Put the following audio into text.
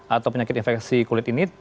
atau penyakit infeksi kulit ini